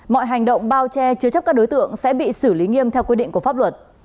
mọi hành động bao che chứa chấp các đối tượng sẽ bị xử lý nghiêm theo quy định của pháp luật